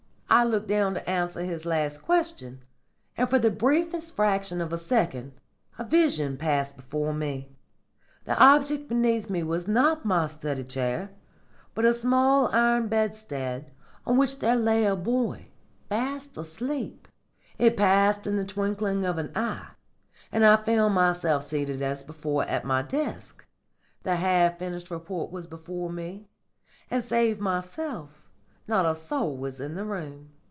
I looked down to answer his last question, and for the briefest fraction of a second a vision passed before me. The object beneath me was not my study chair, but a small iron bedstead on which there lay a boy, fast asleep. It passed in the twinkling of an eye, and I found myself seated as before at my desk; the half finished report was before me, and, save myself, not a soul was in the room.